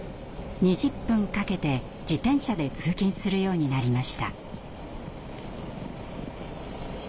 ２０分かけて自転車で通勤するようになりました。